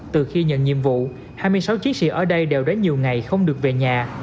từ khi nhận nhiệm vụ hai mươi sáu chiến sĩ ở đây đều đã nhiều ngày không được về nhà